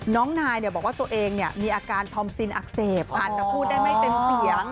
น้องนายเนี่ยบอกว่าตัวเองเนี่ยมีอาการทอมซินอักเสบอ่านแต่พูดได้ไม่เต็มเสียง